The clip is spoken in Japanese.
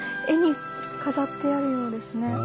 絵に飾ってあるようですね。